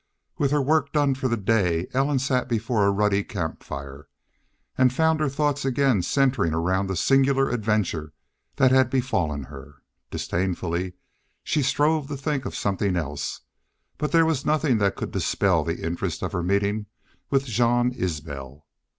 With her work done for the day, Ellen sat before a ruddy camp fire, and found her thoughts again centering around the singular adventure that had befallen her. Disdainfully she strove to think of something else. But there was nothing that could dispel the interest of her meeting with Jean Isbel.